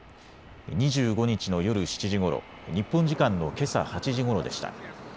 ２５日の夜７時ごろ、日本時間のけさ８時ごろでした。